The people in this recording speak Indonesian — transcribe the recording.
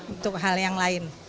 untuk hal yang lain